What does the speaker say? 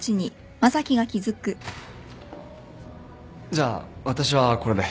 じゃあ私はこれで。